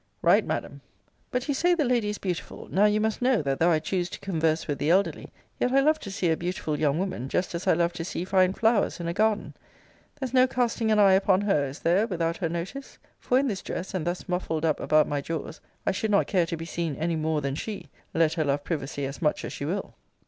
Right, Madam. But you say the lady is beautiful. Now you must know, that though I choose to converse with the elderly, yet I love to see a beautiful young woman, just as I love to see fine flowers in a garden. There's no casting an eye upon her, is there, without her notice? For in this dress, and thus muffled up about my jaws, I should not care to be seen any more than she, let her love privacy as much as she will.